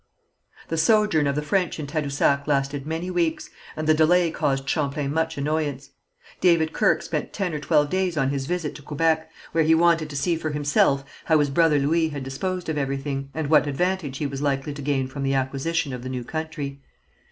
The sojourn of the French in Tadousac lasted many weeks, and the delay caused Champlain much annoyance. David Kirke spent ten or twelve days on his visit to Quebec, where he wanted to see for himself how his brother Louis had disposed of everything, and what advantage he was likely to gain from the acquisition of the new country.